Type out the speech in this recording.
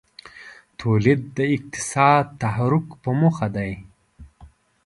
تولید د اقتصادي تحرک په موخه دی.